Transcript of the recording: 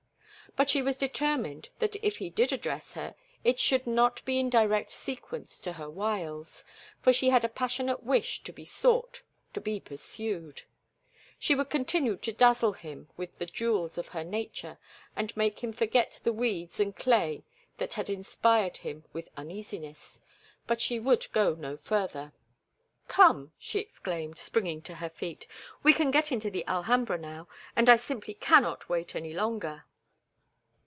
But she was determined that if he did address her it should not be in direct sequence to her wiles, for she had a passionate wish to be sought, to be pursued. She would continue to dazzle him with the jewels of her nature and make him forget the weeds and clay that had inspired him with uneasiness, but she would go no further. "Come!" she exclaimed, springing to her feet. "We can get into the Alhambra now, and I simply cannot wait any longer."